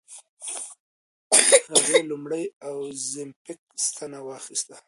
هغې لومړۍ اوزیمپیک ستنه واخیسته.